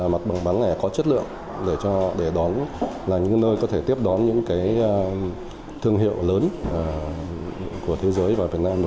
mặt bằng bán lẻ có chất lượng để đón là những nơi có thể tiếp đón những thương hiệu lớn của thế giới và việt nam